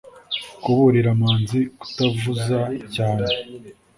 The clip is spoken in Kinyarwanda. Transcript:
Kuburira manzi kutavuza cyane,